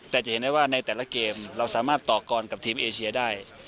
แต่จะเห็นได้ว่าในแต่ละเกมเราสามารถต่อกรกับทีมเอเชียได้